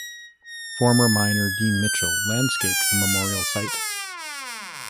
Former miner Dean Mitchell landscaped the memorial site.